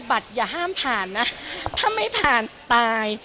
บัตรอย่าห้ามผ่านนะถ้าไม่ผ่านตาย